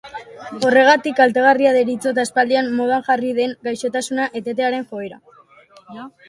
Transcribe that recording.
Horregatik kaltegarria deritzot aspaldian modan jarri den gaixotasuna etetearen joera.